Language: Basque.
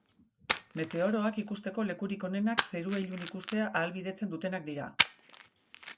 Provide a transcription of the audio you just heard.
Meteoroak ikusteko lekurik onenak zerua ilun ikustea ahalbidetzen dutenak dira.